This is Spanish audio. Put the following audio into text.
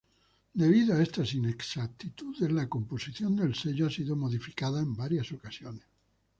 Debido a estas inexactitudes la composición del sello ha sido modificada en varias ocasiones.